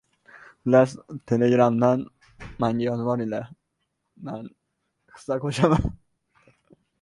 • Hatto dushmaning uchun ham to‘g‘ri guvohlik ber.